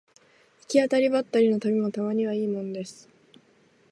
行き当たりばったりの旅もたまにはいいものです